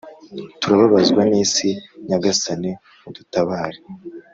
Turababazwa n’isi Nyagasani udutabare